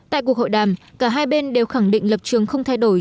tại cuộc hội đàm cả hai bên đều khẳng định lập trường không thay đổi